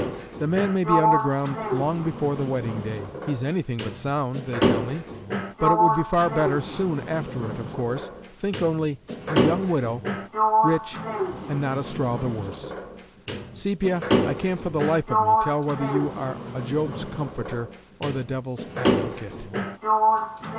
The man may be underground long before the wedding day: he's anything but sound, they tell me. But it would be far better soon after it, of course. Think only a young widow, rich, and not a straw the worse!" "Sepia, I can't for the life of me tell whether you are a Job's comforter or the devil's advocate."